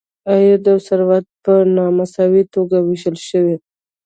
عاید او ثروت په نا مساوي توګه ویشل شوی.